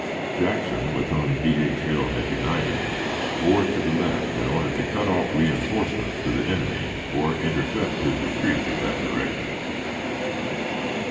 Jackson, with whom D. H. Hill had united, bore to the left, in order to cut off reënforcements to the enemy or intercept his retreat in that direction.